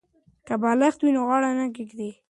که بالښت وي نو غاړه نه کږیږي.